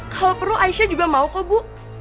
kalau perlu aisyah juga mau kok bu